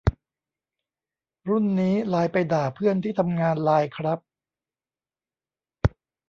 รุ่นนี้ไลน์ไปด่าเพื่อนที่ทำงานไลน์ครับ